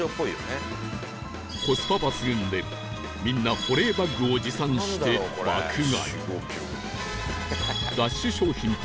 コスパ抜群でみんな保冷バッグを持参して爆買い